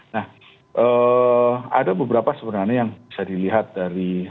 nah ada beberapa sebenarnya yang bisa dilihat dari